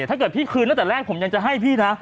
ถ้าเกิดพี่คืนตั้งแต่แรกผมยังจะให้พี่นะ